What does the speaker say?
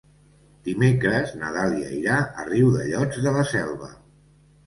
Dimecres na Dàlia irà a Riudellots de la Selva.